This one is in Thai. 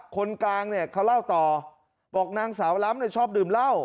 คนกลางเนี่ยเขาเล่าต่อบอกนางสาวล้ำชอบดื่มเหล้า